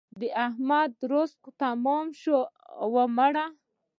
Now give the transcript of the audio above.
د احمد رزق تمام شو او ومړ.